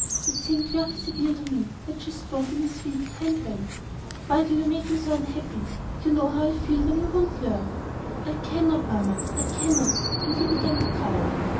That seemed very severe to me, yet she spoke in a sweet, kind way. "Why do you make me so unhappy? You know how I feel when you won't learn." "I cannot, Mamma; I cannot." And he began to cry.